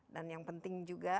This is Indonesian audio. dan yang penting juga